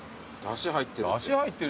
だし入ってる。